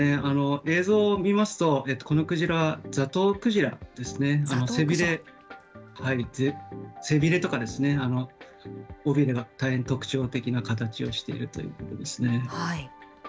映像を見ますと、このクジラはザトウクジラですね、背びれとかですね、尾びれが大変特徴的な形をしているということですね。